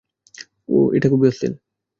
এটা খুবই অশ্লীল।